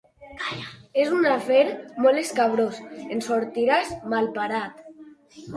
És un afer molt escabrós: en sortiràs malparat.